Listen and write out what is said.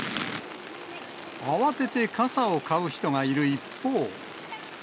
慌てて傘を買う人がいる一方。